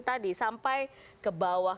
tadi sampai ke bawah